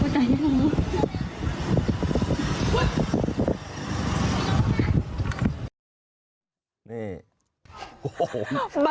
ขอแล้ว